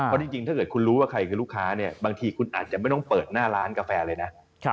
เพราะจริงถ้าเกิดคุณรู้ว่าใครคือลูกค้าเนี่ยบางทีคุณอาจจะไม่ต้องเปิดหน้าร้านกาแฟเลยนะ